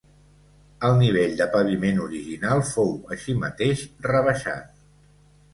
El nivell de paviment original fou, així mateix, rebaixat.